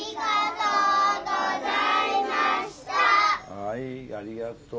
はいありがとう。